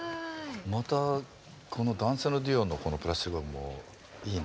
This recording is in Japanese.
またこの男性のデュオのこの「プラスティック・ラブ」もいいね。